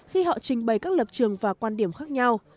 khi họ trình bày các lập trường và quan điểm khác nhau